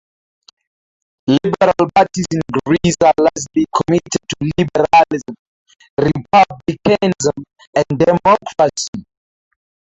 Liberal parties in Greece are largely committed to liberalism, republicanism and democracy.